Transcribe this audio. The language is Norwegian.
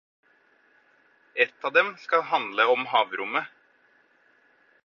Ett av dem skal handle om havrommet.